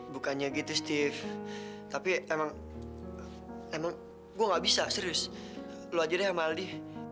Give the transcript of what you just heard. bukannya gitu steve tapi emang emang gue gak bisa serius lo aja deh sama aldi